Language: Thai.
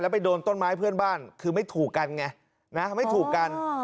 ไปโดนต้นไม้เพื่อนบ้านคือไม่ถูกกันไงนะไม่ถูกกัน